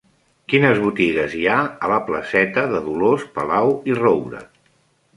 Quines botigues hi ha a la placeta de Dolors Palau i Roura?